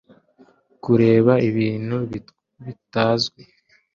kureba ibintu bitazwi